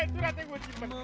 nih suratnya gue simpan